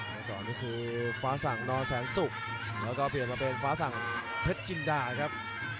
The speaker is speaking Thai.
แต่ก่อนนี่คือฟ้าสั่งนอแสนสุกแล้วก็เปลี่ยนมาเป็นฟ้าสั่งเพชรจินดาครับ